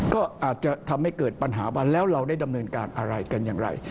ก็อาจจะทำให้เกิดปัญหาว่าแล้วเราได้ดำเนินการอะไรกันอย่างไร